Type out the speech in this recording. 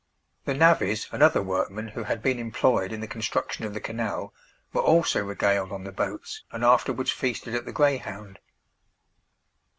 The navvies and other workmen who had been employed in the construction of the canal, were also regaled on the boats, and afterwards feasted at the Greyhound.